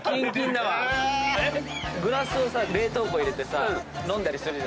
グラスをさ冷凍庫入れてさ飲んだりするじゃん。